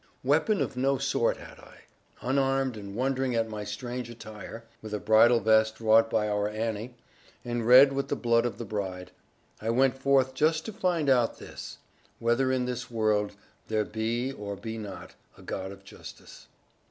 Weapon of no sort had I. Unarmed, and wondering at my strange attire (with a bridal vest wrought by our Annie, and red with the blood of the bride), I went forth just to find out this whether in this world there be or be not a God of justice.